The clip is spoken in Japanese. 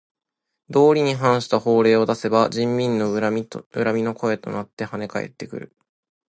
道理に反した法令を出せば人民の恨みの声となってはね返ってくる。